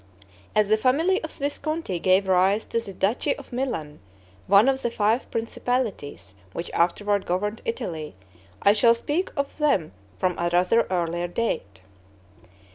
As the family of Visconti gave rise to the duchy of Milan, one of the five principalities which afterward governed Italy, I shall speak of them from a rather earlier date.